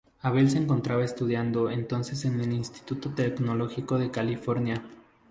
Abell se encontraba estudiando entonces en el Instituto Tecnológico de California.